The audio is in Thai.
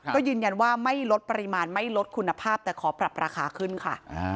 ก็ยืนยันว่าไม่ลดปริมาณไม่ลดคุณภาพแต่ขอปรับราคาขึ้นค่ะ